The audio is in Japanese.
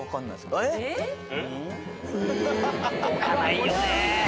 どかないよね。